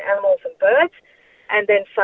di anggota dan anggota